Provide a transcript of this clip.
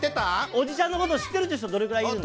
おじちゃんのこと知ってるっていう人どれぐらいいるの？